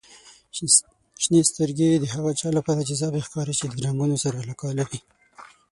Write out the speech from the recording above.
• شنې سترګې د هغه چا لپاره جذابې ښکاري چې د رنګونو سره علاقه لري.